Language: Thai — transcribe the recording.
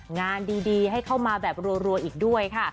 งานดีให้เข้ามาแบบรัวอีกด้วยค่ะ